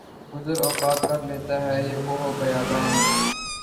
گزر اوقات کر لیتا ہے یہ کوہ و بیاباں میں